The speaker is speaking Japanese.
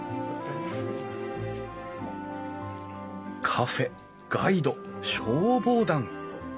カフェガイド消防団。